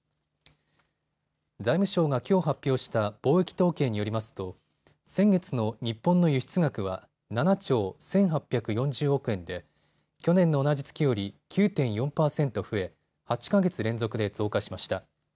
財務省がきょう発表した貿易統計によりますと先月の日本の輸出額は７兆１８４０億円で去年の同じ月より９．４％増え８か月連続で増加しました。